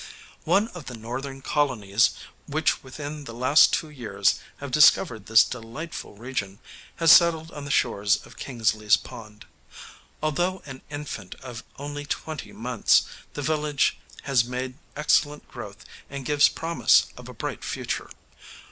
One of the Northern colonies which within the last two years have discovered this delightful region has settled on the shores of Kingsley's Pond. Although an infant of only twenty months, the village has made excellent growth and gives promise of a bright future.